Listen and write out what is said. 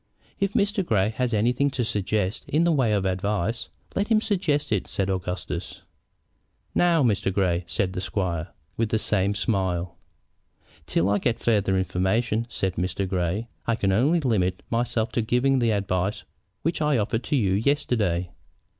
"If Mr. Grey has anything to suggest in the way of advice, let him suggest it," said Augustus. "Now, Mr. Grey," said the squire, with the same smile. "Till I get farther information," said Mr. Grey, "I can only limit myself to giving the advice which I offered to you yesterday."